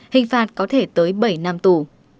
hình phạt có thể tới bảy năm tù